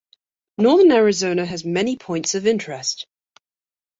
Northern Arizona has many points of interest.